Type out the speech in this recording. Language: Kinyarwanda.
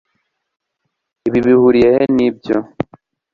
ibi bihuriye he nibyo